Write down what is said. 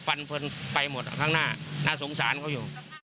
ฟันเพลินไปหมดข้างหน้าน่าสงสารเขาอยู่